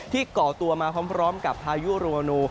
ก่อตัวมาพร้อมกับพายุโรนู